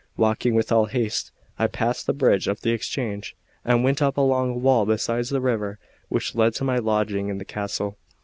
Walking with all haste, I passed the bridge of the Exchange, and went up along a wall beside the river which led to my lodging in the castle.